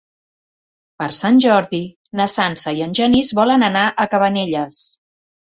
Per Sant Jordi na Sança i en Genís volen anar a Cabanelles.